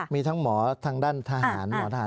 มีทั้งหมอทางด้านทหารหมอทหาร